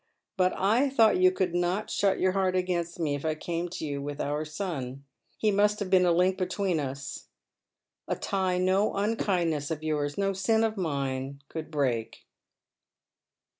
But I thought you could not shut your heart against me if I came to you with our son. He must have been a link between us, a tie no unkindness of yours, no sin of mine, could break."